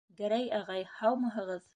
Гәрәй ағай, һаумыһығыҙ!